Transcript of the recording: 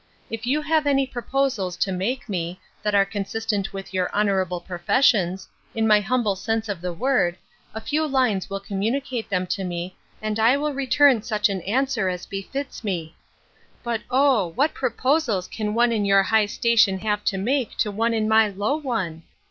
If you have any proposals to make me, that are consistent with your honourable professions, in my humble sense of the word, a few lines will communicate them to me, and I will return such an answer as befits me. But, oh! What proposals can one in your high station have to make to one in my low one!